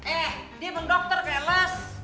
eh dia mau dokter keles